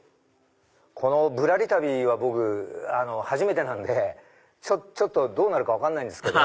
この『ぶらり旅』は僕初めてなんでどうなるか分かんないですけど。